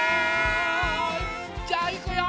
じゃあいくよ。